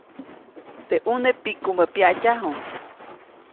Teʼ ʼune pikumä pyaʼtyaju.